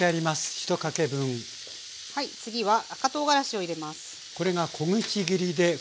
次は赤とうがらしを入れます。